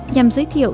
nhằm giới thiệu